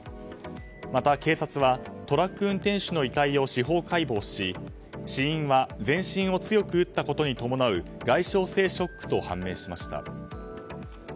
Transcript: また、警察はトラック運転手の遺体を司法解剖し死因は全身を強く打ったことに伴う外傷性ショックと判明しました。